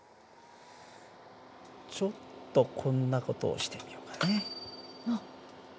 ちょっとこんな事をしてみようかね。